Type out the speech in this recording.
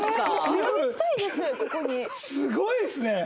すごいっすね！